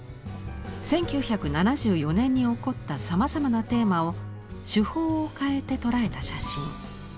１９７４年に起こったさまざまなテーマを手法を変えて捉えた写真。